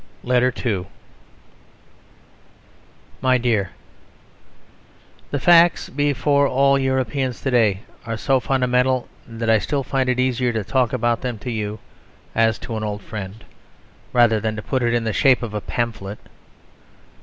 My Dear The facts before all Europeans to day are so fundamental that I still find it easier to talk about them to you as to an old friend, rather than put it in the shape of a pamphlet.